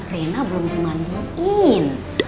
reina belum dimandiin